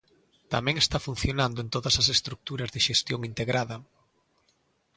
Tamén está funcionando en todas as estruturas de Xestión Integrada.